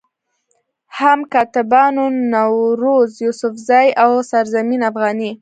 هم کاتبانو نوروز يوسفزئ، او سرزمين افغاني